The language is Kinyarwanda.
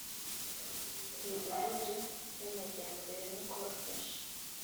midugudu y amajyambere no kubafasha